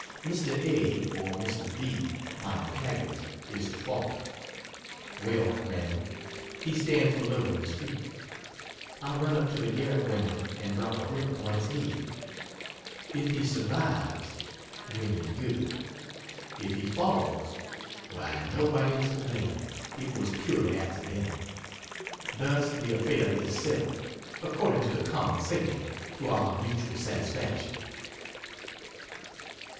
Mr. A. or Mr. B., my antagonist, is to fall : well, miadam, he stands below in the street; I run up to the garret window, and drop a brick upon his head ; if he survives, well and good F 70 — if he falls, why nobody is to blame, it was purely accidental. Thus, the affair is settled, according to the common saying, to our mu tual satisfaction.